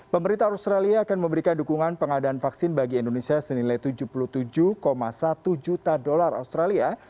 pemerintah australia akan memberikan dukungan pengadaan vaksin bagi indonesia senilai tujuh puluh tujuh satu juta dolar australia